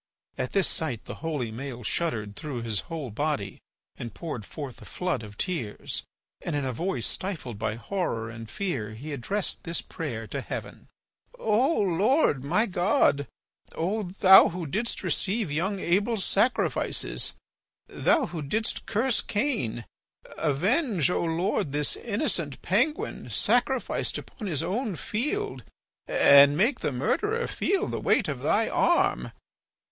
At this sight the holy Maël shuddered through his whole body and poured forth a flood of tears. And in a voice stifled by horror and fear he addressed this prayer to heaven: "O Lord, my God, O thou who didst receive young Abel's sacrifices, thou who didst curse Cain, avenge, O Lord, this innocent penguin sacrificed upon his own field and make the murderer feel the weight of thy arm.